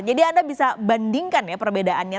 jadi anda bisa bandingkan perbedaannya